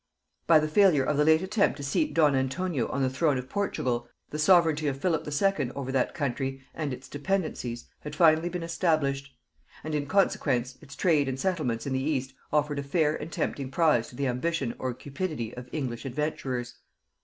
By the failure of the late attempt to seat don Antonio on the throne of Portugal, the sovereignty of Philip II. over that country and its dependencies had finally been established; and in consequence its trade and settlements in the East offered a fair and tempting prize to the ambition or cupidity of English adventurers.